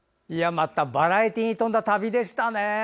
またバラエティーに富んだ旅でしたね。